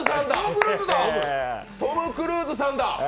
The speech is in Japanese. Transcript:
トム・クルーズさんだ！